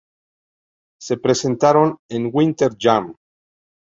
Se presentaron en Winter Jam.